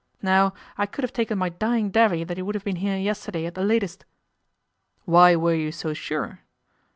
Now, I could have taken my dying davy that he would have been here yesterday at the latest.' 'Why were you so sure?